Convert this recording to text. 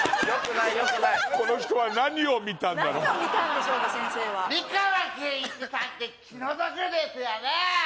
何を見たんでしょうか先生は美川憲一さんって気の毒ですよねえ